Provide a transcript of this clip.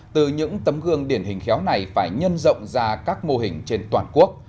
từ những tấm gương điển hình khéo này phải nhân rộng ra các mô hình trên toàn quốc